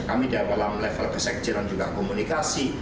kami dalam level kesekecilan juga komunikasi